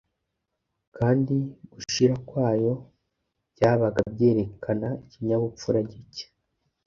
kandi gushira kwayo byabaga byerekana ikinyabupfura gike.